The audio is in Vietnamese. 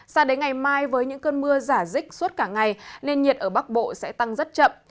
sao đến ngày mai với những cơn mưa giả dích suốt cả ngày nền nhiệt ở bắc bộ sẽ tăng rất chậm